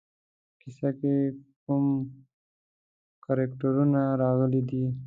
په کیسه کې کوم کرکټرونه راغلي دي.